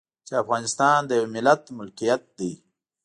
چې افغانستان د يوه ملت ملکيت دی.